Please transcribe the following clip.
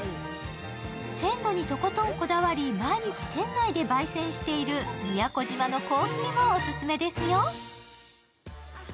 鮮度にとことんこだわり、毎日店内でばい煎している宮古島のコーヒーもオススメですよ。